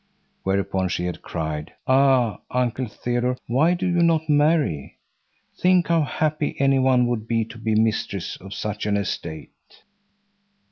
Whereupon she had cried: "Ah; Uncle Theodore, why do you not marry? Think how happy any one would be to be mistress of such an estate!"